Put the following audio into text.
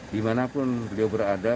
dimanapun beliau berada